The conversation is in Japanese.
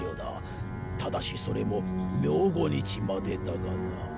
ただしそれも明後日までだがな。